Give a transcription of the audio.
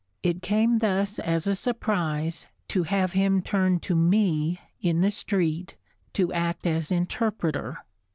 It came thus as a surprise to have him turn to me, in the street, to act as interpreter.